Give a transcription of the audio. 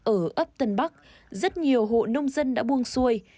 ở ấp tân bắc rất nhiều hộ nông dân đã buông xuôi